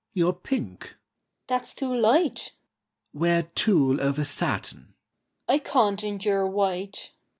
"Your pink" "That's too light." "Wear tulle over satin" "I can't endure white."